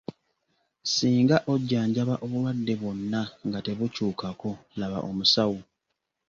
Singa ojjanjaba obulwadde bwonna nga tebukyukako laba omusawo.